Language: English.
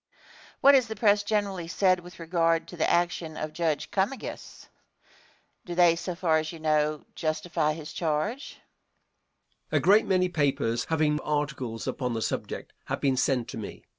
Question. What has the press generally said with regard to the action of Judge Comegys? Do they, so far as you know, justify his charge? Answer. A great many papers having articles upon the subject have been sent to me.